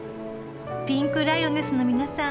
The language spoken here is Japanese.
ピンクライオネスの皆さん